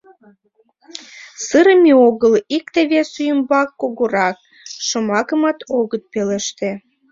Сырыме огыл, икте-весе ӱмбак кугурак шомакымат огыт пелеште.